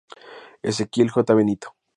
Ezequiel J. Benito.